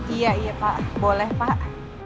iya iya pak boleh pak